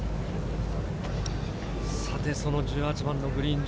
さて、その１８番のグリーン上。